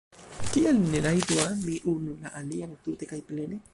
Kial ni ne rajtu ami unu la alian tute kaj plene?